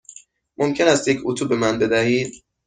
ممکن است یک اتو به من بدهید؟